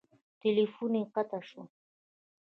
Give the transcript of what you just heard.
تیلفون یې قطع شو.